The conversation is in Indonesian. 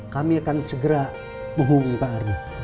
kami akan segera menghubungi pak ardi